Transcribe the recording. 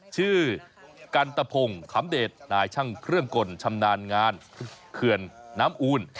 ชื่อกันตะพงขำเดชนายช่างเครื่องกลชำนาญงานเขื่อนน้ำอูล